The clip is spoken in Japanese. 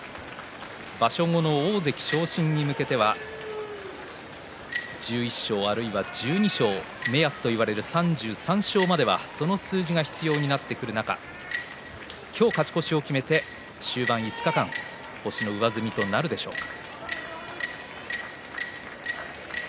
場所後の大関昇進に向けては１１勝あるいは１２勝目安といわれる３３勝まではその数字が必要になってくる中で今日、勝ち越しを決めて終盤５日間へと星の上積みとなるでしょうか。